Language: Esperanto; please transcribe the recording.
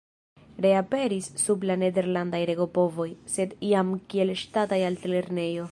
Reaperis sub la nederlandaj regopovoj, sed jam kiel ŝtata altlernejo.